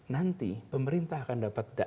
nanti pemerintah akan dapat